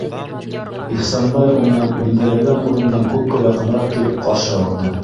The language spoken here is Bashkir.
- Ихсанбай уны билдәләнгән урындан күпкә яҡыныраҡ килеп ҡаршы алды.